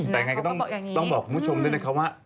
แต่อย่างไรก็ต้องบอกคุณผู้ชมด้วยนะคะว่าเขาก็บอกอย่างนี้